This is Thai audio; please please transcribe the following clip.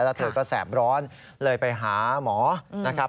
แล้วเธอก็แสบร้อนเลยไปหาหมอนะครับ